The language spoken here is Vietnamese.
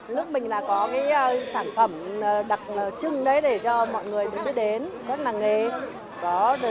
lúc mình là có cái sản phẩm đặc trưng đấy để cho mọi người biết đến các làng nghề